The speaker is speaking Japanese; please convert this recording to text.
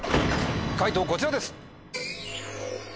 解答こちらです。